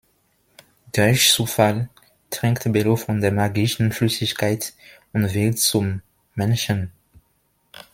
Durch Zufall trinkt Bello von der magischen Flüssigkeit und wird zum Menschen.